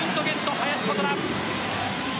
林琴奈。